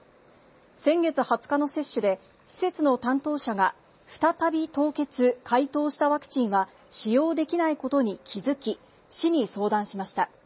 先月２０日の接種で、施設の担当者が、再び凍結、解凍したワクチンは使用できないことに気付き、市に相談しました。